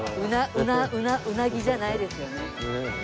うなうなうなぎじゃないですよね。